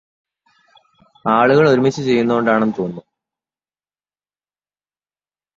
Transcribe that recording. ആളുകൾ ഒരുമിച്ചു ചെയ്യുന്നതു കൊണ്ടാണെന്ന് തോന്നുന്നു.